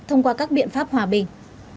thông qua các biện pháp hòa bình